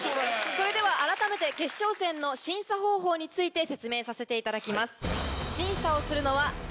それでは改めて決勝戦の審査方法について説明させていただきます。